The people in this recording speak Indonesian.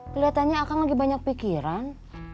keliatannya akang lagi banyak pikiran